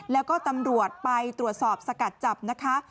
แล้วก็ตำรวจไปตรวจสอบสกัดจับนะคะ